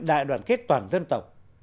đại đoàn kết toàn dân tộc